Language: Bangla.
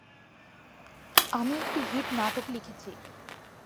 আমি একটি হিট নাটক লিখেছি!